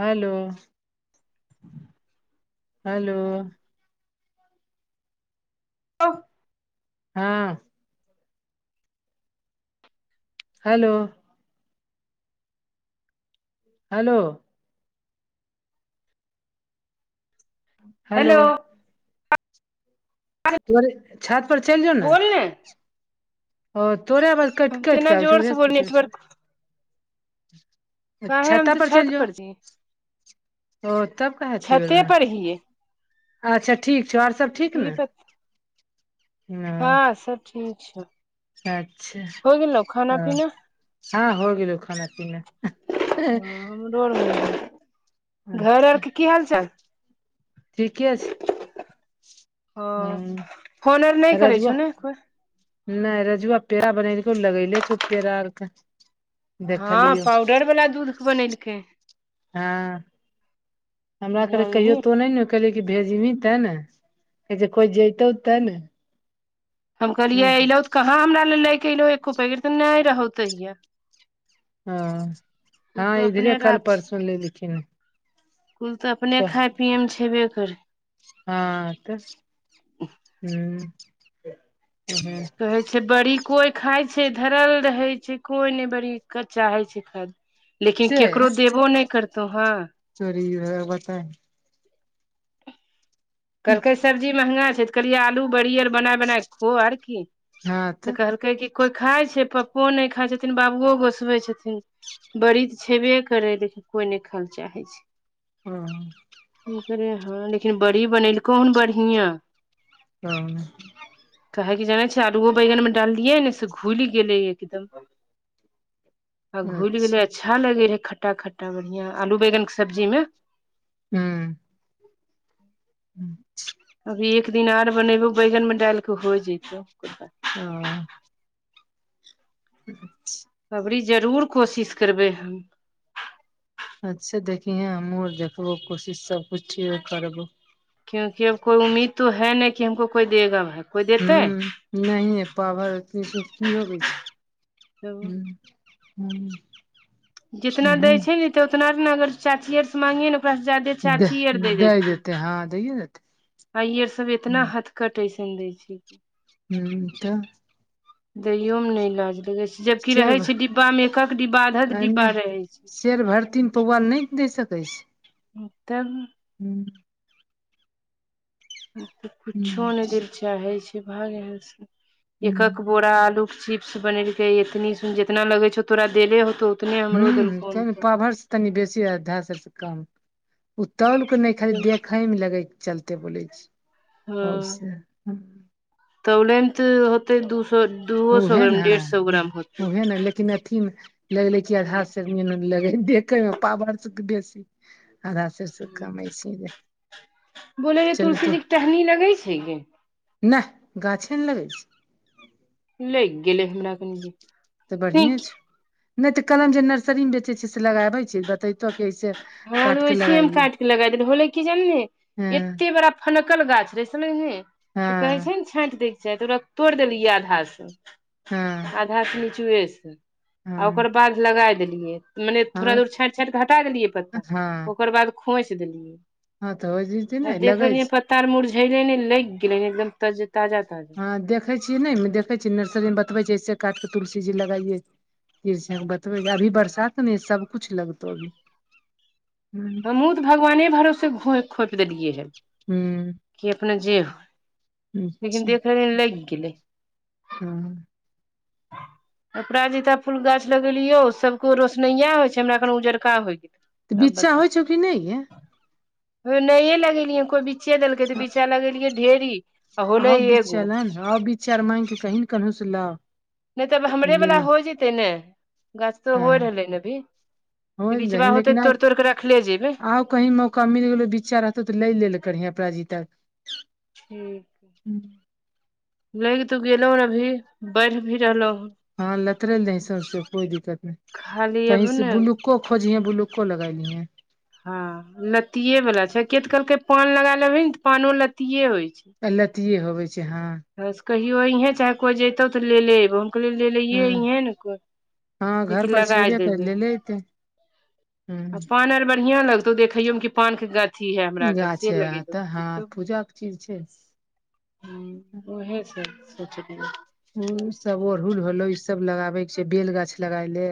Hello hello व हँ। Hello hello hello तोरे छत पर चलि जो ने। ओ तोरे आवाज केट हम तेना कटके अबै छो। जोर उह से बोल पूछे छै। नेटवर्क काहे हम छाता तऽ पर छत चल जो छी ओ तब कहथी ओ छते न। पर हियै अच्छा ठीक छो। ओर सब ई ब हू न हँं सब ठीक छौ, अच्छा होय गेलौ खाना ह पीना। हँ हो गेलौ खाना पीना। हमरो डऽर भ गे ऐ, घर अच्छा आर के की हाल चाल? ठीके छै, हँ फोन आर नहि हम्म करै रजुआ छौ ने कोइ नहि रजूआ पेरा बनेलकऊ, लगैले छउ पेरा आर क हँ पाउडर बला दूध क बनेलकै। हँ। हमरा कहलक कहियो जानलही तो नहि ने, कहलियै कि भेजबही त ने, कहैछय कोइ जइतौ तऽ ने। हम कहलियै हुनका अयलऊ त, कहाँ हमरा ले लय क एलहु एको पैकेट, त नहि रहौ तहिया। तू हँ-हँ तऽ इधरे अपने कल राख परसो लैलखिनह। कुल त अपने खाय पियएमे छेबे करै। हँऽ तह हम्म हं कहे छै बड़ी कोई खाय छै, धरल रहे छै कोई ने बड़ी कचाहै छै, खा [inaudible] लेकिन केकरो देबो नहि करतौ हँ। चरीर हैं बताइ कहलकै सब्जी महँंगा छै, त कहलिए आलू बड़ियर बनाए-बनाए खो आर की, तऽ कहलकै कि कोइ खाइ छै, पप्पो नहि खाइ छथिन, बाबुओ गोसबै छथिन। बड़ी तऽ छेबे करै, लेकिन कोई नहि खा लए चाहे छै। हँ। की करे हँ, लेकिन बड़ी बनेलकौ हन बढ़ियां। अओ कहैे के जाने छै, आलुओ बैगन मे डाललियै ने से घुलि गेलै एकदम, आ घुलि गेलै अच्छा अच् -च्छा लगय रहै खट्टा-खट्टा बढ़ियां, आलू बैगन के सब्जी में हम्म हम् अभी एक दिन आर बनेबौ बैंगन मे डाल कऽ होय जयतौ। अओ। [inaudible] अबरी जरूर कोशिश करबै हम। अच्छा देखीहे हमहुँ आर देखबो कोशिश सबकछु ठी करबो। [unintelligible] हम्म नहिए पा भर एतनी स की होबै छै हम्म हम्म जितना दै छै इ त उतना-उतना अगर चाचीये आर से मांगिये न ओकरा से जादे चाचीये आर दे दै देथिन। देते हँ दैये देतै। आ ये सब एतना हथखटऐसन दै छै। हम्म त दैयो मे नहि लाज लगै छै। जबकि शेर रहै भ छै डिब्बा मे, एक-एक डिब्बा, आध-आध आ डिब्बा नहि रहै छै। दै छै। तब। हूँ। हम त कुछो नहि दैल चाहे छीयै, भाग यहां से एकऽअक बोरा आलू के चिप्स बनेलकै एतनी सून जेतना लगै छौ तोरा देले होतौ उतने हमरो हूँ तै देलकौन न पाभर तनी बेसी अ अधा से कम ओ तौल के नहि खाली तऽ देख खै मे लगे के चलते बोलै छै। और हँ से तौलै में त होत ते दू सौ दूओ सौ ग्राम नै डेढ़ सौ ग्राम होतै। नै नै लेकिन ए में लगलै कि अधा सेर नियन लगै देखै मे पाभर स त बेसी अधा सेर से हूं, कम ऐसे बोलै जे चल तो तुलसी जी के टहनी लगै छै गे? नहि गाछे ने लगै छै। लगि गेलै हमरा। कनि तऽ हँ बढ़िए छौ नहि तऽ कलम जे नर्सरी मे बेचे छै से लगाबे छै बतै हँ त ओहे से हम काट के लगा देल होलै कि जनले हँ एते बड़ा फनकल गाछ रहै समझलिही तऽ कहे हँ छै ने छाँटि दै के चाही तऽ ओकरा तोड़ि देलियै आधा से हँ आधा से निचुए से आ हँ ओकर बाद लगाय देलियै। मने थोड़ा हँ दूर छाँटि छाँटि कऽ हटा देलियै पत्ता हँ ओकर बाद खोंसि देलियै। हँ तऽ हो जेतै आ ने देख लगै रहलियै छै पत्ता आर मुरझैलै नहि लगि गेलै एकदम तज ताजा ताजा। हँ देखै छियै नहि देखै छियै नर्सरी मे बतबै छै ऐसे काट के तुलसी जी लगाइये। बतबै अभी बरसात ने सबकुछ लगतौ अभी। हूं हमहूँ तऽ भगवाने भरोसे घौं खोपि देलियै हे। हूँ। कि अपने जे होय लेकिन अच्छा देख रहिये जे लगि गेलै। हूँ। [inaudible] अपराजिता फूल गाछ लगेलियो सभ के ओ रोशनैया होइ छै हमरा खन उजरका होइ गेलै। तऽ बिचा होइ छौ कि नहि गे? नयै लगेलियै कोइ बिच्चे देलकै तऽ बिच्चा लगेलियै ढेरी। आ होलै आहो एगो बिच्चा लैनि आहो बिच्चा आर माँगि कऽ कहीने केनहुसे लाउ। नहि तऽ हमरे ले वला ले हो जेतै ने। गाछ तो हँ होय रहलै हन अभी हो फेर दही बिचवा होते लेकिन आइ तोड़ि तोड़ि के रखले जेबै। आउ कहीं मौका मिल गेलो बिच्चा रहतौ तऽ लै लेल करहीं अपराजीताके। ठीक। लैग तो गेलहु अभी बढ़ि भी रहलहु ह। हँ लतरेलै देही सौंसे कोई दिक्कत नहि खाली अब कहीं से ने बुलूक को खोजिहैं बुलुको लगाय लीहैं। हँ लत्तिए वाला छै के तऽ कहलकै पान लगा लेबही ने तऽ पानो लत्तीए होइ छै। अ लतिए होबे छै हँ। ह से कहियो अइहें चाहे कोई जैतौ तऽ ले ले एबो। कहलियै लेलैहे हँ अइहें ने कोइ हँ घर जेकि पर लगाय छेबे कर देबै। लेले एते ह आ पान आर बढ़िआं लगतौ देखैयोमे कि पान के गाछ अथी है हमरा कन गाछ से छै लगे तऽ हँ पूजा के चीज छै उएहेसँ सोचलै। ओ सब अड़हुल होलौ, ई सब लगाबे छै, बेल गाछ लगााय ले।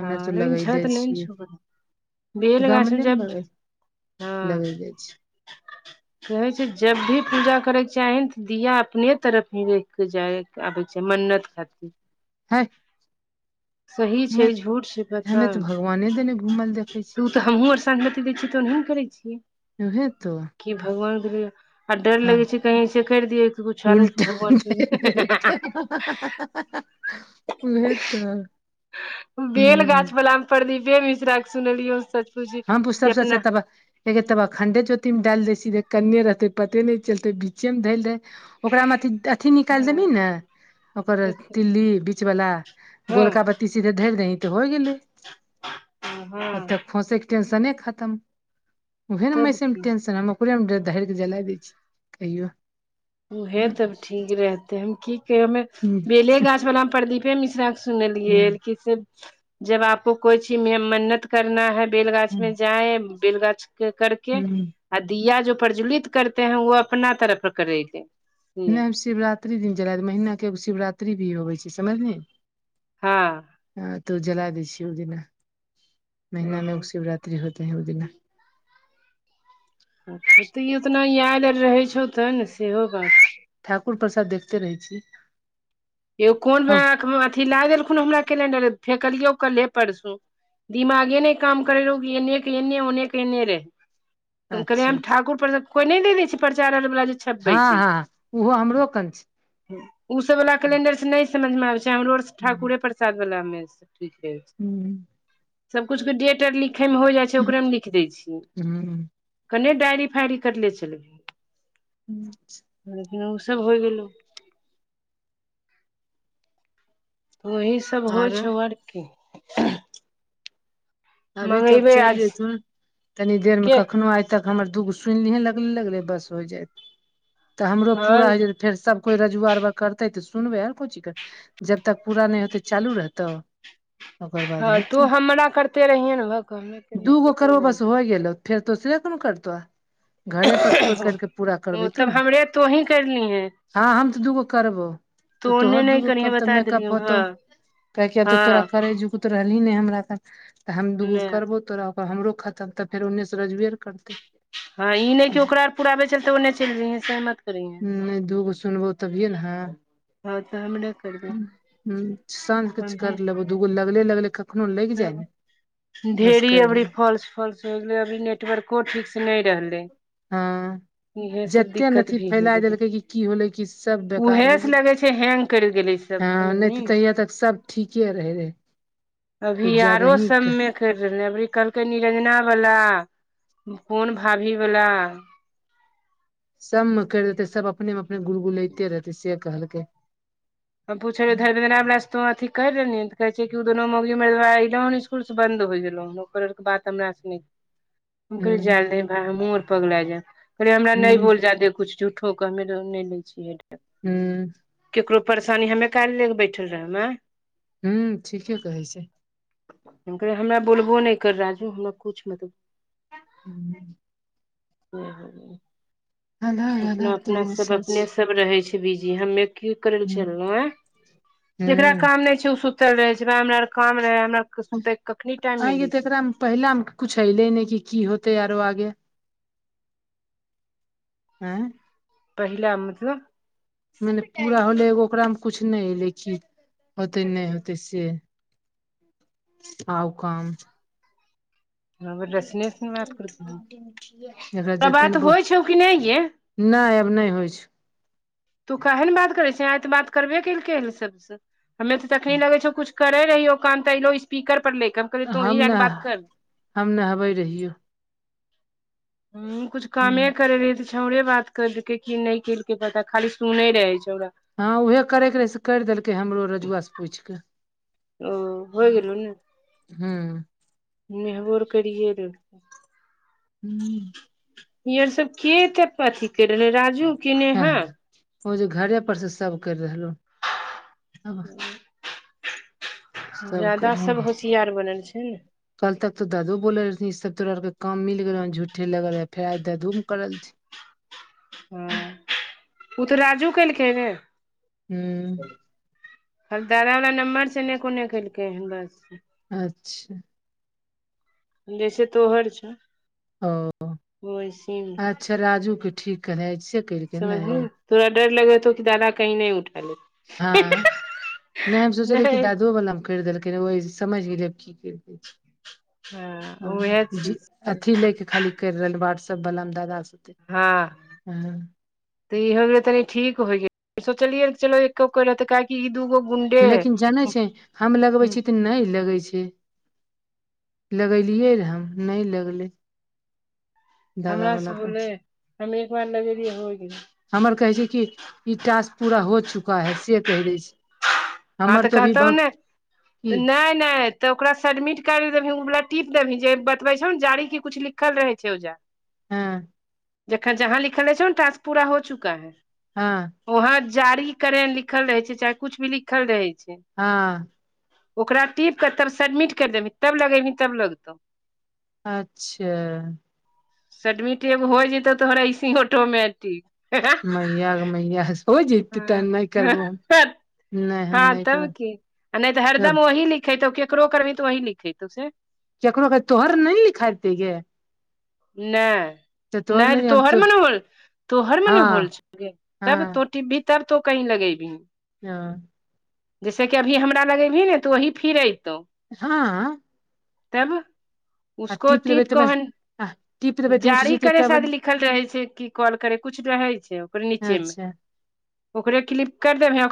हमे तऽ हँ लेकिन लगैले छत नहि ने छियै। छौ बनल बेल गाछमे गमले में जब लगले, हँ लगैले छी। कहै छै जब भी पूजा करयके चाही, तऽ दिया अपने तरफ ही राखकऽ चाही। आबै छै मन्नत खातिर। हँ। सही छै, झूठ छै, पता हमे तऽ भगवाने देने घूमल देखै ने। छी तऽ हमहूँ और सांझ-बती दै छीयै तऽ ओनाहे करै छियै। उहै तो। कि भगवान के लिये। आ डर हँ लगे छै कहीं से कर दियए, कुछ आरो उल्टा भगवान सुन देत उहे तऽ। बेल हूँ गाछ वला में प्रदीपे मिश्रा के सुनलियो। [unintelligible] एके तबा खंडे चोती मे डालि देे सीधे, कन्ने रहते पते नै चलते, बिचे में धैल रहे। ओकरा मे अथि- अथि निकालि देबही ने, ओकर तिल्ली बीचवला। हँ गोलका बत्ती सीधे धरि दहीं, तऽ हो गेलै ओ हँ तऽ खोसे। टेंशने खतम, उहे ने तब मसे मे की टेंशन हम। पूरे मे ढैरके जला दै छै कहियो। उहे तब ठीक रहते, हम की हमे हूँ बेले गाछ वला प्रदीपे मिश्रा सुनलियै हूँ कि सब, जब आपको कोइ चीज मे मन्नत करना है बैेलगाछ में हूँ जाए, बैेल गाछ के करके हूँ आ दिया जो प्रज्वलित करते हैं, वो अपना तरफ करेकेे। नै हम शिवरात्रि दिन जलाब, महीना के एगो शिवरात्रि भी अबै छै समझलियै। हँ। ह तो जला दै छिय ओ दिना, महिना मे शिवरात्रि होते है ओ दिना। अच्छा त इ उतना याद अर रहै छौ त ने सेहो बात छ। ठाकुर प्रसाद देखते रहै छी। यौ कोन मे हम आंख मे अथी ला देलखुन हमरा कलेंडर अर फेकलियौ कल्हे परसू। दिमागे नै काम करै रहौ कि एन्ने कि एन्ने ओन्ने कि एन्ने रे। कलियै अच्छा हम अच्छा ठाकुर प्रसाद कोई नै दे दै छै प्रचार अर बला जे हँ छपबै हँ छै हॅं उहो हमरो कन छ। उ सब बला कलेंडर स नै समझ मे आबै छै हमरो अर ठाकुरे पर साद बला मे सब ठीक रहै छै। हूॅं। सब कुछ के डेट अर लिखै मे हो जाइ छै ओकरे म लिख दै छी। कन्ने डायरी फायरी करले चलबिही। अच्छा। लेकिन उ सब होइ गेलौ। त ओही सब होइ आरो छौ आर कि। अभी तब मंगेबै चैल आज जैथुन तनी देर मे के कखनो आ तक हमर दू गो सुनि लिहें लगले- लगले बस होइ जायत त हमरो पूरा हँ होइ जेतै फेर सब कोइ रजुवा अरुवा करतै तऽ सुनबै आर कोइ चीज क। जब तक पूरा नै होतै चालू रहतौ? ओकर बाद हॅं तू हमरा करते रहिये ने केने दू गो जेबो करबौ ने बस होइ गेलौ फेर तोसरे कोनो करतौ आ घरे पर से कोइ करिके पूरा करबै ओ तो तब ने हमरे तोही करलिहे हाँ हम तऽ दू गो करबौ। तू त ओन्ने तोहर नहि दूगो करिहे कब तक बता मेकअप देलियौ हँ होतौ काहेकि अब तऽ तोरा हँ करै जुगूत तो रहलिहिन नै हमरा त हम दू गो नहि करबौ तोरा त हमरो खतम तऽ फेर ओन्ने स रजुवे अर करतै। हॅं ई नै कि ओकरा आर पुराबै चलते ओने चलि जइहें से मत करिहें। नहि दूगो सुनबो तभिये हॅं त हमर एक हुं साँझ किछु कर लेबौ दू गो लगले- लगले कखनो लागि जाय ने बस ढे़री कर अबरी ले फॉल्स- फॉल्स होइ गेलै अभी नेट टवर्को ठीक स नै रहलै। हॅं। इहे सब जत्ते ने दिक्कत अथि भी होइ फैलाए गेलै देलकै कि की होलै कि सब बेकार उहे होइ से गेल। लगे छै हैंग करि गेलै सब हॅं नै समझली त ने। तहिया तक सब ठीके रहै रहय। अभी आरो सम मे करि रहलै अबरी कहलकै निरंजना बला पोन भाभी बला। सम म करि देतै सब अपने मे अपने गुलगुलैते रहतै से कहलकै। हम पूछय धर अपना स तो अथी कैर रहली हन कहै छियै कि उ दुनू मौगी मेहरबा अइलौ हन स्कुल से बन्द होइ गेलौ हन ओकर अर के बात तमरा स नीक हम ह कहयै जाय दे भाय हमहूँ अर पगलेए जायब कहलियै हमरा नै ह बोल जादे कुछ झुठ ठोकऽ हम मेडल नै लै छियै हुँ। केकरो परेशानी हम यर काहे लऽ ले क बैठल रहब आंय। हूँ ठीके कहै छै। हम कहलियै हमरा बोलबो नै कर राजू हमरा कुछ मत हू ह अलग अपना अलग अपना सब तमाशा अपने छै सब रहे छैय बिजी हमे की करे ले चललहु अए जेकरा ह काम नहि छैय ओ सु टल रहे छैय हमरा आर काम रहे आर के सुते के कखनी टाइम आगे मिलै तऽ छै एकरामे पहिलामे कुछु एऐलै ने कि की होतै आरो आगे अए पहिले मतलब मने पूरा होलै एगो ओकरामे कछु नहि एलै कि होतै नहि होतै से आउ काम रोशने से बात कर एकरा तिहे जते ने बात बोल, होइ छौ कि नहि गे नहि आब नहि होइ छै तू कहे ने बात करे छैय आइ तऽ बात करबे केलकै हे सबस हमे तऽ तखनी लगै छौ कुछ करे रहियौ हो काम तइ लो स्पीकर पर लेक हम नहि हम नहबै रहियौ ह कछु कामे करे रही तऽ छौड़े बात कर देल की नहि केलक पता खाली सुने रहे छौड़ा हँं उहे करैके रहै से कइर देलकै हमरो रजुआ से पूइछ के ओ होइ गेलौ ने ह्म। मेहबोर करियए देलक हूं इ आर सब के एते पथी कर रहले राजू। कि ह नेहा ओ जे घरे पर से सब करि रहलहुब। कर ज्यादा सब रहलो। होशियार बनल छै न। कल तक तो दादो बोलऽ रहथिन ई सब तोरा अर के काम मिल गेलौ झूठे लगल रहे फेर आइ त धूम करल छी। हँ उ तऽ राजू केलकै न? ह्म। दादा मे नम्बर छलै कोने कैट के हन बस। अच्छा। जैसे तोहर छौ ओ वैसी में। अच्छा राजू के ठीक है से कैर। समझली तोरा डर लगैत हौ कि दादा कहीं नै उठा लै। हँ नै हम सोचलियै कि नहि दादुओ बला। कइर देलकै रौआ ई समैझ गेलै आब की करै के छै। हँ ह उएह जे चीज अथी लै के खाली कइर रहल वाट्सएप बला में दादा सब। ह। त ई हो गेल तनी ठीक होइयए सोचलियै चलो एको को लत काइल। ई दूगो गुंडे लेकिन जानै छै हम लगबै छी तऽ नै लगै छै। लगेलियै रहऽ हम नै लगलै। दादा हमरा से वाला पर बोले हम एक बार लगेलियै हो गेली। हमर कहै छै कि ई टास्क पुरा हो चुका है से कैह दैछै। हँ तऽ कहतौ नै, बाकी नै-नै तऽ ओकरा सडमिट कर रहै ओ वला टिप देबही जे बतबै छौ न जारी की कुछ लिखल रहै छै ओज। ह जखन जहाँ लिखल रहै छौ न टास्क पुरा हो चुका है। हँ वहाँ जारी करे लिखल रहै छै चाहे कुछ भी लिखल रहै छै। हाँ। ओकरा टीप क तब सडमिट कर देबही तब लगेबही तब लगतौ। अच्छा। सडमिटे हो जेतौ तोहरा ऐसे ऑटोमटिक। मैया गै मैया हो जेतै हँ तहन नै करबौ हम। नहि हम हँ नहि तब की आ नहि तऽ हरदम करब ओ लिखेतौ केकरो करबही तऽ वही लिखेतौ से। ककरो कह तोहर नै लिखाइत दैयै। नै नै त नहि हम तोहर तो मने होल तोहर मने होल हँ छौ गै तब हँ तो टिपभी। तब तो कहीं लगेभी। हँ जैसे कि अभी हमरा लगेबही ने तो वही फिर एतौ। हाँ। तब उसको देबै टीप तऽ कऽ हन। आ टीप देबै तऽ उठि जारी जेतै करे तब शायद लिखल रहै छै, की कॉल करे कुछ रहै छै ओकर नीचे में। अच्छा ओकरे क्लिक कर देबै ओकरा